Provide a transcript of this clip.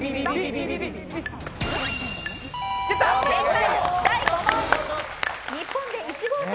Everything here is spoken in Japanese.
正解、第５問。